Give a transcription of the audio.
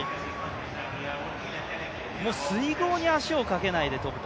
水濠に足をかけないで跳ぶと。